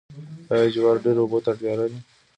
آیا جوار ډیرو اوبو ته اړتیا لري؟